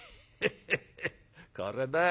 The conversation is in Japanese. ヘヘヘこれだよ。